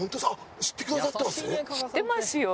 知ってますよ。